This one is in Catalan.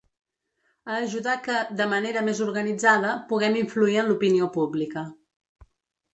A ajudar que, de manera més organitzada, puguem influir en l’opinió pública.